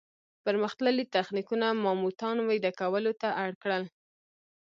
پرمختللي تخنیکونه ماموتان ویده کولو ته اړ کړل.